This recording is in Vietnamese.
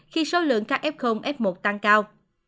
khi số lượng các f f một tăng cao